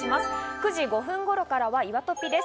９時５分頃からはいわトピです。